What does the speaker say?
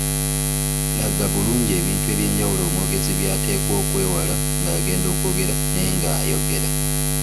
Laga bulungi ebintu eby’enjawulo omwogezi by’ateekwa okwewala nga agenda okwogera ne nga ayogera.